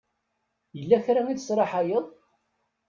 Yella kra i tesraḥayeḍ?